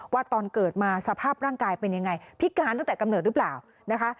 ว่าตอนเกิดมาสภาพร่างกายเป็นยังไงพิการตั้งแต่กำเนิดหรือเปล่านะคะ